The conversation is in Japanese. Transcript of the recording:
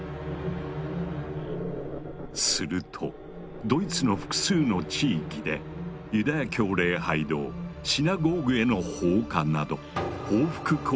するとドイツの複数の地域でユダヤ教礼拝堂シナゴーグへの放火など報復行為が始まる。